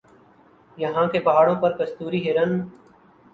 یہاں کے پہاڑوں پر کستوری ہرن